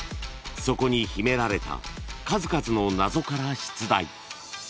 ［そこに秘められた数々の謎から出題］